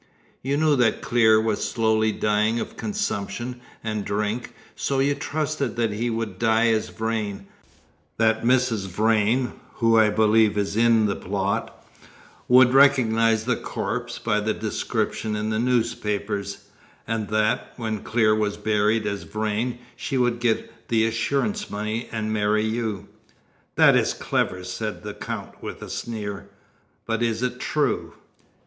You knew that Clear was slowly dying of consumption and drink, so you trusted that he would die as Vrain; that Mrs. Vrain who I believe is in the plot would recognise the corpse by the description in the newspapers; and that, when Clear was buried as Vrain, she would get the assurance money and marry you." "That is clever," said the Count, with a sneer. "But is it true?"